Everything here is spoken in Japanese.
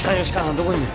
どこにいる？